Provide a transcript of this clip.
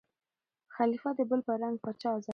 خلیفه د بل په رنګ پاچا زاده وي